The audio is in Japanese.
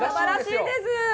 すばらしいです。